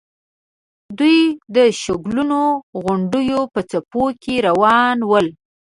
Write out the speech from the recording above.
دوی د شګلنو غونډېو په پيڅکو کې روان ول.